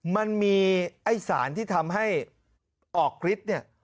มันมีไอ้สารที่ทำให้ออกฤทธิ์เนี่ย